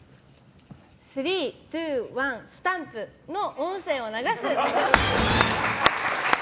３、２、１、スタンプ！の音声を流す。